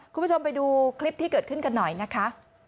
คุณผู้ชมไปดูคลิปที่เกิดขึ้นกันหน่อยนะคะ